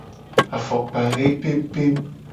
Afokpa he pempem.